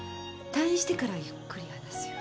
退院してからゆっくり話すよ。